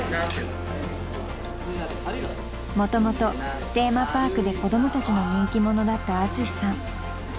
［もともとテーマパークで子供たちの人気者だったアツシさん］